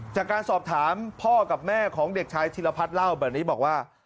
จากการสอบถามพ่อกับแม่ของเด็กชายธิรพัฒน์เล่าแบบนี้บอกว่า